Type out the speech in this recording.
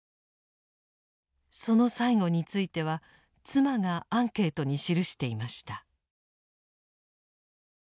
その最期については妻がアンケートに記していました。